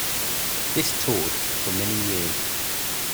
This toured for many years.